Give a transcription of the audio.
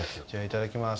いただきます。